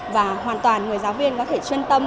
và hoàn toàn người giáo viên có thể chuyên tâm